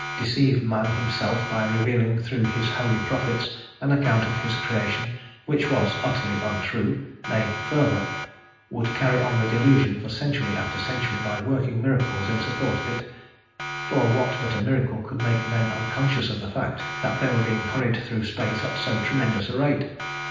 deceive man Himself by revealing through His holy prophets an account of His creation which was utterly untrue; nay, further, would carry on the delusion for century after century, by working miracles in support of it for what but a miracle could make men unconscious of the fact that they were being hurried through space at so tremendous a rate?